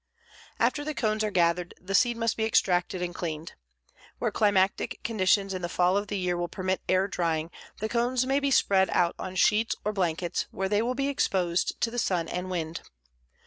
After the cones are gathered the seed must be extracted and cleaned. Where climatic conditions in the fall of the year will permit air drying, the cones may be spread out on sheets or blankets where they will be exposed to the sun and wind.